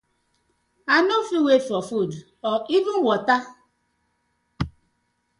I no fit wait for food or even watta.